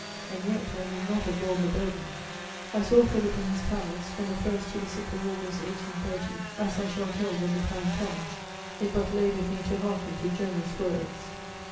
And yet, I need not have borne the burden. I saw Philip in his palace, from the 1st to the 6th of August 1830, as I shall tell when the time comes; it but lay with me to hearken to generous words.